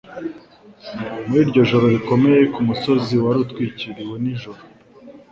muri iryo joro rikomeye ku musozi wari utwikiriwe n'ijoro,